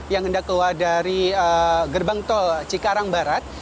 yang hendak keluar dari gerbang tol cikarang barat